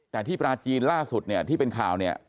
แต่ที่ปลาจีนล่าสุดเนี่ยที่เป็นข่าวเนี่ย